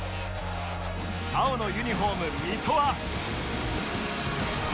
青のユニホーム水戸は